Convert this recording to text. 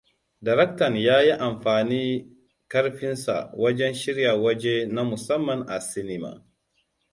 Daraktan ya yi amfani ƙarfinsa wajen shirya waje na musamman a sinima.